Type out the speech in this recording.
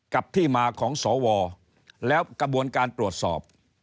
กับที่มาของสวแล้วกระบวนการตรวจสอบ